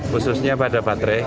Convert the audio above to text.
khususnya pada baterai